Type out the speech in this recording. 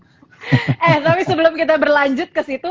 eh tapi sebelum kita berlanjut ke situ